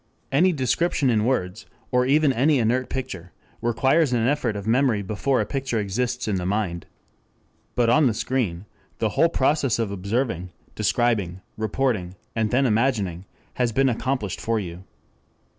Any description in words, or even any inert picture, requires an effort of memory before a picture exists in the mind. But on the screen the whole process of observing, describing, reporting, and then imagining, has been accomplished for you.